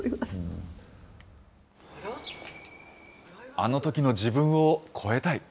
あのときの自分をこえたい。